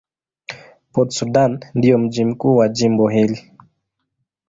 Port Sudan ndio mji mkuu wa jimbo hili.